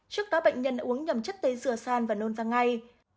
trước đó bệnh nhân đã uống nhầm chất tầy dừa san và nôn vào ngay